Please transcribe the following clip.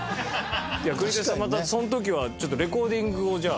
クリテツさんまたその時はちょっとレコーディングをじゃあ。